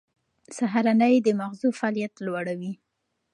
سهارنۍ د مغزو فعالیت لوړوي.